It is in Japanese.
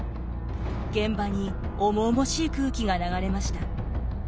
現場に重々しい空気が流れました。